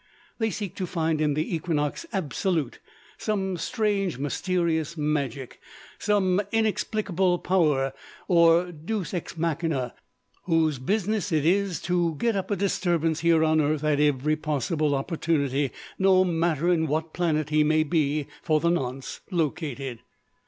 They seek to find in the Equinox Absolute, some strange mysterious magic, some inexplicable power or Deus ex machina, whose business it is to get up a disturbance here on earth at every possible opportunity, no matter in what planet he may be for the nonce located.